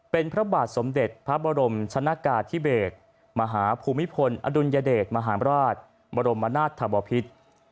เป็นพระบาทสมเด็จพระบรมชนะกาธิเบศมหาภูมิพลอดุลยเดชมหามราชบรมนาศธบพิษ